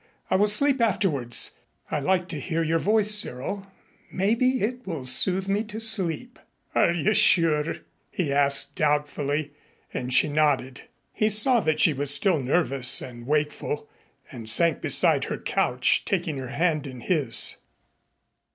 I will sleep afterwards. I like to hear your voice, Cyril. Perhaps it will soothe me to sleep." "Are you sure?" he asked doubtfully and she nodded. He saw that she was still nervous and wakeful and sank beside her couch, taking her hand in his.